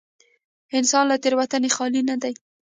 انسان له تېروتنې خالي نه دی.